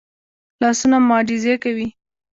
لاسونه معجزې کوي